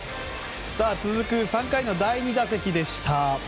続く３回の第２打席でした。